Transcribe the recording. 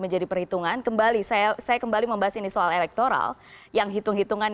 menjadi perhitungan kembali saya saya kembali membahas ini soal elektoral yang hitung hitungan